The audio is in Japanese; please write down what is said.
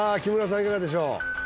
いかがでしょう？